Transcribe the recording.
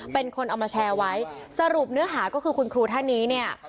เป็นคนเอามาแชร์ไว้สรุปเนื้อหาก็คือคุณครูท่านนี้เนี่ย